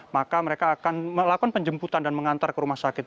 maka mereka akan melakukan penjemputan dan mengantar ke rumah sakit